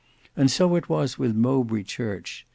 And so it was with Mowbray Church.